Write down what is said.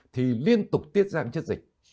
thì liên tục tiết ra chất dịch